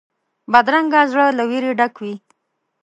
بدرنګه زړه له وېرې ډک وي